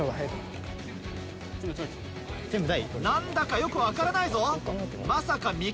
何だかよく分からないぞ。